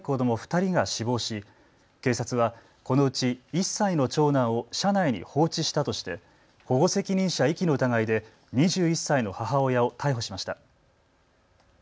２人が死亡し警察はこのうち１歳の長男を車内に放置したとして保護責任者遺棄の疑いで２１歳の母親を逮捕しました。